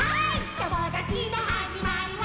ともだちのはじまりは」